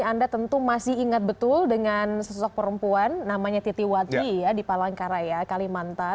anda tentu masih ingat betul dengan sosok perempuan namanya titi wati ya di palangkaraya kalimantan